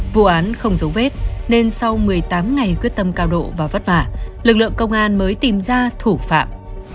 vụ án không dấu vết nên sau một mươi tám ngày quyết tâm cao độ và vất vả lực lượng công an mới tìm ra thủ phạm